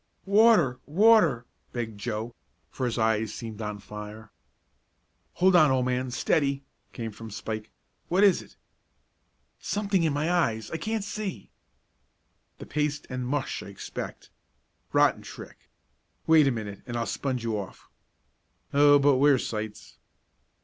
"Water water!" begged Joe, for his eyes seemed on fire. "Hold on, old man steady," came from Spike. "What is it?" "Something in my eyes. I can't see!" "The paste and mush I expect. Rotten trick. Wait a minute and I'll sponge you off. Oh, but we're sights!"